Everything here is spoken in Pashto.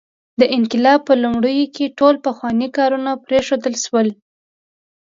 د انقلاب په لومړیو کې ټول پخواني کارونه پرېښودل شول.